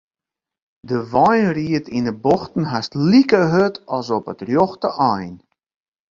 De wein ried yn 'e bochten hast like hurd as op it rjochte ein.